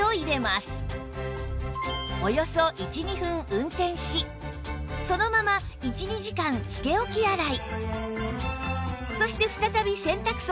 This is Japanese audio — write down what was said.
およそ１２分運転しそのまま１２時間つけ置き洗い